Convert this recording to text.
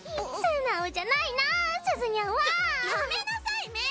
やめなさい芽衣！